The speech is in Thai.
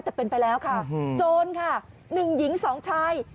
แต่เป็นไปแล้วค่ะโจรค่ะหนึ่งหญิงสองชาย